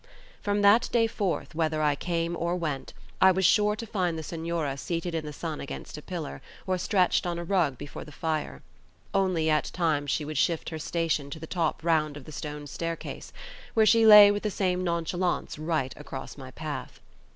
From that day forth, whether I came or went, I was sure to find the Senora seated in the sun against a pillar, or stretched on a rug before the fire; only at times she would shift her station to the top round of the stone staircase, where she lay with the same nonchalance right across my path.